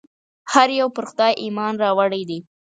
هر یو پر خدای ایمان راوړی دی.